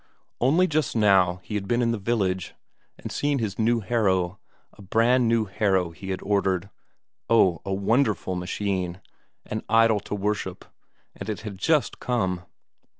Only just now he had been in the village, and seen his new harrow, a brand new harrow he had ordered oh, a wonderful machine, an idol to worship, and it had just come.